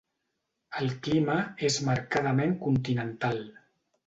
El clima és marcadament continental.